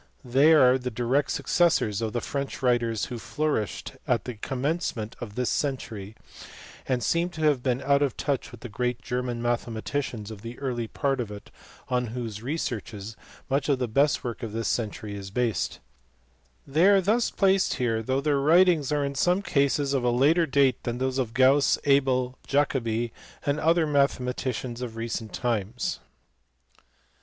They are the direct successors of the French writers who flourished at the commencement of this century, and seem to have been out of touch with the great German mathematicians of the early part of it on whose researches much of the best work of this century is based ; they are thus placed here though their writings are in some cases of a later date than those of Gauss, Abel, Jacobi, and other mathe maticians of recent times.